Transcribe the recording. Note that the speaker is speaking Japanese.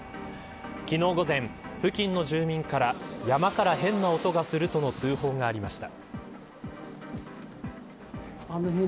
昨日午前、付近の住民から山から変な音がするとの通報がありました。